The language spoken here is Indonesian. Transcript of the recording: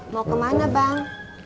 mau kemana bang